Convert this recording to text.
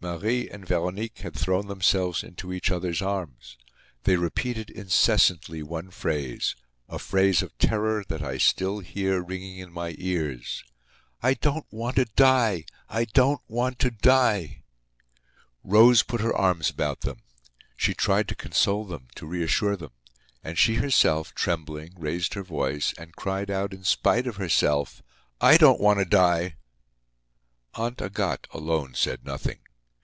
Marie and Veronique had thrown themselves into each other's arms. They repeated incessantly one phrase—a phrase of terror that I still hear ringing in my ears: "I don't want to die! I don't want to die!" Rose put her arms about them. She tried to console them, to reassure them. And she herself, trembling, raised her face and cried out, in spite of herself: "I don't want to die!" Aunt Agathe alone said nothing.